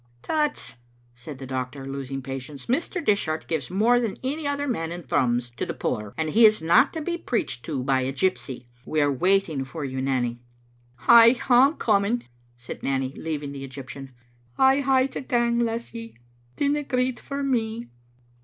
"Tuts!" said the doctor, losing patience, "Mr. Dis hart gives more than any «ther man in Thrums to the poor, and he is not to be preached to by a gypsy. We are waiting for you, Nanny." "Ay, I'm coming," said Nanny, leaving the Egyp tian. " I'll hae to gang, lassie. Dinna greet for me."